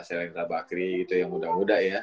selain tabakri itu yang muda muda ya